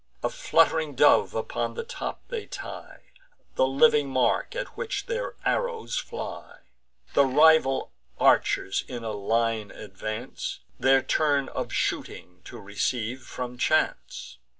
A flutt'ring dove upon the top they tie, The living mark at which their arrows fly. The rival archers in a line advance, Their turn of shooting to receive from chance.